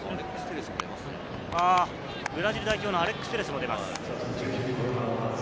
ブラジル代表のアレックス・テレスも出ます。